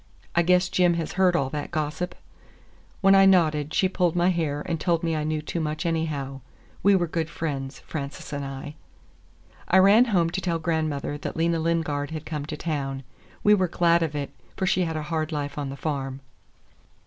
I guess Jim has heard all that gossip?" When I nodded, she pulled my hair and told me I knew too much, anyhow. We were good friends, Frances and I. I ran home to tell grandmother that Lena Lingard had come to town. We were glad of it, for she had a hard life on the farm.